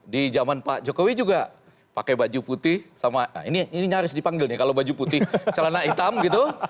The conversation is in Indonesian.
di zaman pak jokowi juga pakai baju putih sama ini nyaris dipanggil nih kalau baju putih celana hitam gitu